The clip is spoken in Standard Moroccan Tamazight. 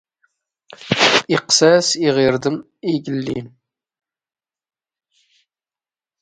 ⵉⵇⵇⵙ ⴰⵙ ⵉⵖⵉⵔⴷⵎ ⵉⴳⵍⵍⵉⵏ.